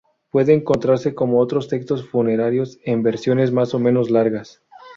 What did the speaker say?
Puede encontrarse, como otros textos funerarios, en versiones más o menos largas.